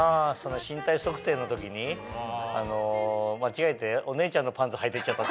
身体測定の時に間違えてお姉ちゃんのパンツはいて行っちゃった。